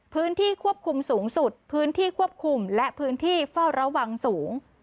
พื้นที่ควบคุมสูงสุดพื้นที่ควบคุมและพื้นที่เฝ้าระวังสูง